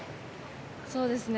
そうですね。